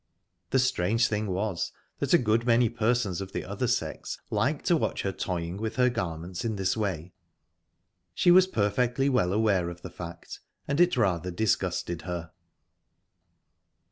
The strange thing was that a good many persons of the other sex liked to watch her toying with her garments in this way. She was perfectly well aware of the fact, and it rather disgusted her.